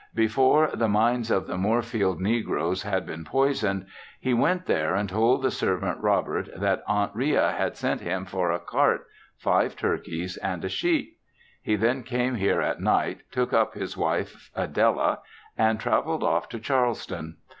Before (the minds of the) Moorfield negroes had been poisoned, he went there and told the servant Robert that Aunt Ria had sent him for a cart, five turkeys and a sheep. He then came here at night, took up his wife Adela and traveled off to Charleston.